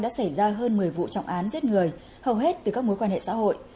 đã xảy ra hơn một mươi vụ trọng án giết người hầu hết từ các mối quan hệ xã hội